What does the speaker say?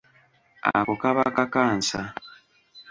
Ako kaba kakansa.